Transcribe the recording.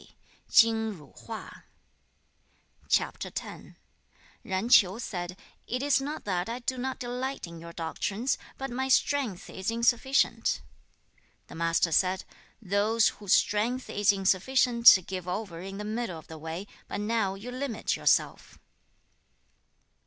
Yen Ch'iu said, 'It is not that I do not delight in your doctrines, but my strength is insufficient.' The Master said, 'Those whose strength is insufficient give over in the middle of the way but now you limit yourself.'